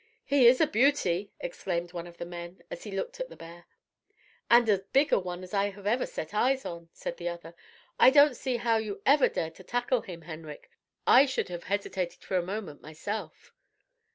"He is a beauty," exclaimed one of the men, as he looked at the bear. "And as big a one as I ever set eyes on," said the other. "I don't see how you ever dared to tackle him, Henrik. I should have hesitated for a moment, myself."